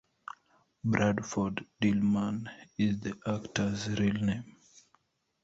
"Bradford Dillman" is the actor's real name.